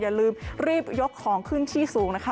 อย่าลืมรีบยกของขึ้นที่สูงนะคะ